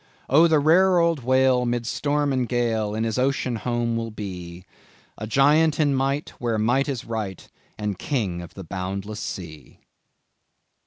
"Oh, the rare old Whale, mid storm and gale In his ocean home will be A giant in might, where might is right, And King of the boundless sea."